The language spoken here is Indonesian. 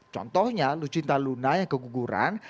contohnya lucinta luna yang keguguran